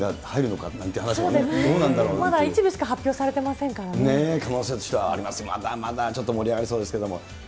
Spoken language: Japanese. これ、まだ一部しか発表されてませ可能性としてはあります、まだまだちょっと盛り上がりそうですけど。